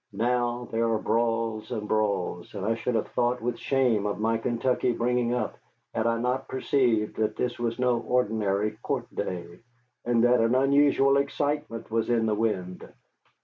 Now there are brawls and brawls, and I should have thought with shame of my Kentucky bringing up had I not perceived that this was no ordinary court day, and that an unusual excitement was in the wind.